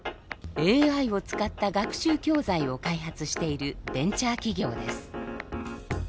ＡＩを使った学習教材を開発しているベンチャー企業です。